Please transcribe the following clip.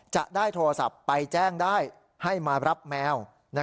จะได้โทรศัพท์ไปแจ้งได้ให้มารับแมว